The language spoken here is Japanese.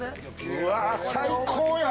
うわー最高やん！